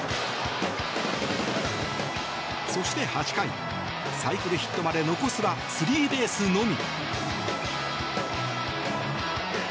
そして８回、サイクルヒットまで残すはスリーベースのみ。